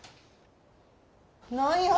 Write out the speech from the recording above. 何や？